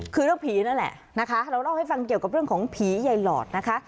คือเรื่องผีนั่นแหละนะคะเราเล่าให้ฟังเกี่ยวกับเรื่องของผีใยหลอดนะคะ